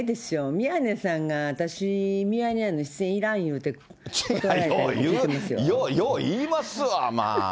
宮根さんが、私、ミヤネ屋の出演いらんいうて、よう言いますわ、まあ。